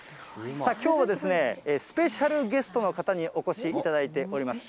さあ、きょうはスペシャルゲストの方にお越しいただいております。